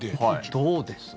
どうです？